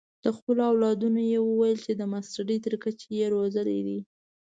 د خپلو اولادونو یې وویل چې د ماسټرۍ تر کچې یې روزلي دي.